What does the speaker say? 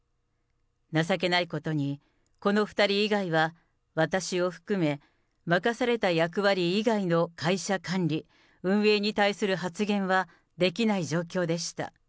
情けないことに、この２人以外は私を含め、任された役割以外の会社管理、運営に対する発言はできない状況でした。